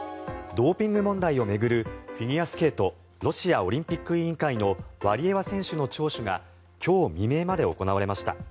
ドーピング問題を巡るフィギュアスケートロシアオリンピック委員会のワリエワ選手の聴取が今日未明まで行われました。